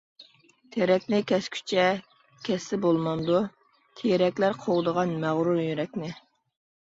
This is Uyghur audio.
تىرەكنى كەسكۈچە كەسسە بولمامدۇ، تىرەكلەر قوغدىغان مەغرۇر يۈرەكنى.